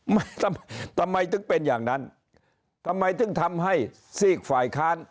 ทำไมทำไมถึงเป็นอย่างนั้นทำไมถึงทำให้ซีกฝ่ายค้าน